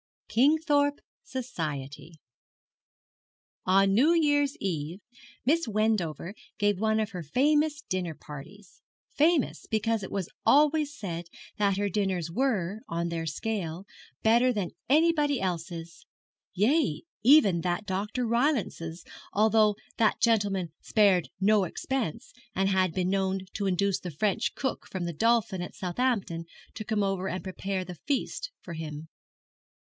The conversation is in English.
KINGTHORPE SOCIETY. On New Year's Eve Miss Wendover gave one of her famous dinner parties; famous because it was always said that her dinners were, on their scale, better than anybody else's yea, even that Dr. Rylance's, although that gentleman spared no expense, and had been known to induce the French cook from the Dolphin at Southampton to come over and prepare the feast for him.